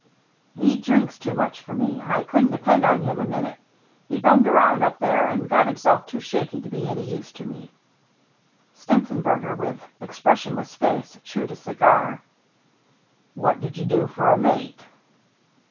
" He drinks too much for me — I couldn't depend on him a minute. He bummed around up there, and got himself too shaky to be any use to me." Stenzenberger, with expressionless face, chewed his cigar. "What did you do for a mate?"